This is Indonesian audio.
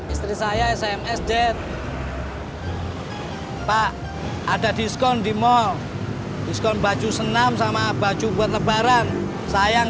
istri saya smsj pak ada diskon di mall diskon baju senam sama baju buat lebaran sayang